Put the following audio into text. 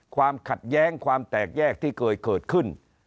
ความขัดแย้งความแตกแยกที่เคยเกิดขึ้น